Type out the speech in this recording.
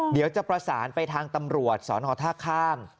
เดี๋ยวจะประสานไปทางตำรวจสนท่าข้าม